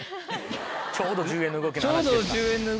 ちょうど１０円の動きの話。